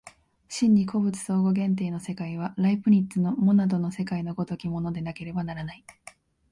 真に個物相互限定の世界は、ライプニッツのモナドの世界の如きものでなければならない。